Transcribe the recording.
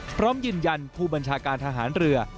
พร้อมยืนยันผู้บัญชาการทหารเรือ